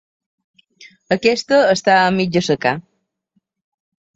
Aquesta està a mig assecar.